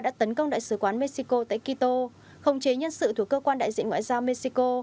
đã tấn công đại sứ quán mexico tại quito khống chế nhân sự thuộc cơ quan đại diện ngoại giao mexico